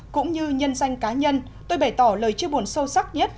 cũng như nhân danh cá nhân tôi bày tỏ lời chia buồn sâu sắc nhất